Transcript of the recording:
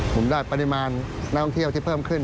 ผมได้ปริมาณนักท่องเที่ยวที่เพิ่มขึ้น